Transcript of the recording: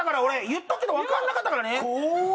言っとくけどわかんなかったからね！